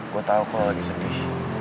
gue tau kalau lagi sedih